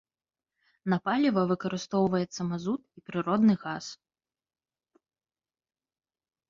На паліва выкарыстоўваецца мазут і прыродны газ.